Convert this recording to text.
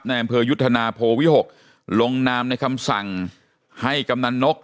อำเภอยุทธนาโพวิหกลงนามในคำสั่งให้กำนันนก